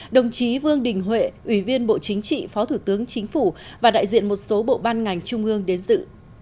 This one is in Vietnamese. đồng chí vương đình huệ ủy viên bộ chính trị phó thủ tướng chính phủ và đại diện một số bộ ban ngành trung ương đến dự